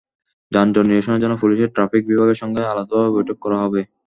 যানজট নিরসনের জন্য পুলিশের ট্রাফিক বিভাগের সঙ্গে আলাদাভাবে বৈঠক করা হবে।